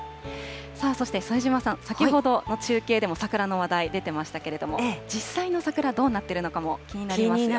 そして副島さん、先ほどの中継でも桜の話題、出てましたけれども、実際の桜、どうなってるのかも気になりますよね。